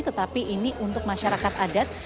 tetapi ini untuk masyarakat adat